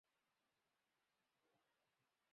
利梅雷默诺维尔。